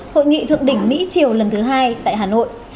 hội nghị thượng đỉnh mỹ triều lần thứ hai tại hà nội